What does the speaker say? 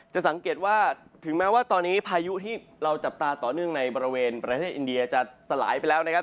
จะสังเกตว่าถึงแม้ว่าตอนนี้พายุที่เราจับตาต่อเนื่องในบริเวณประเทศอินเดียจะสลายไปแล้วนะครับ